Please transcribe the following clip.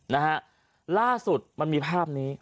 นะฮะล่าสุดมันมีภาพนี้